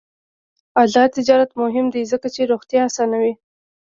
آزاد تجارت مهم دی ځکه چې روغتیا اسانوي.